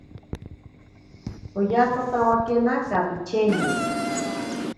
Piyakotawakena kapicheni.